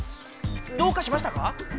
どうかしましたか？